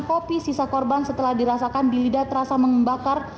kopi sisa korban setelah dirasakan di lidah terasa mengembakar